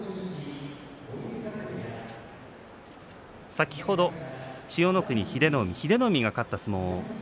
先ほどの千代の国、英乃海英乃海が勝った相撲です。